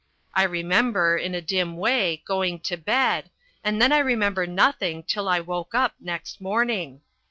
I remember, in a dim way, going to bed, and then I remember nothing till I woke up next morning.